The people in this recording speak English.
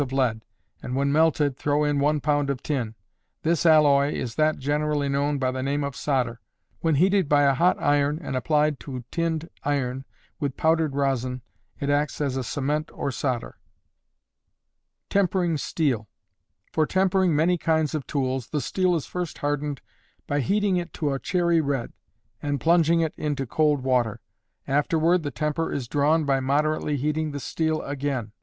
of lead, and when melted throw in 1 lb. of tin. This alloy is that generally known by the name of solder. When heated by a hot iron and applied to tinned iron with powdered rosin, it acts as a cement or solder. Tempering Steel. For tempering many kinds of tools, the steel is first hardened by heating it to a cherry red, and plunging it into cold water. Afterward the temper is drawn by moderately heating the steel again.